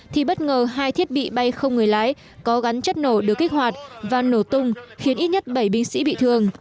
thì bất ngờ hai thiết bị bay không người lái có gắn chất nổ được kích hoạt và nổ tung khiến ít nhất bảy binh sĩ bị thương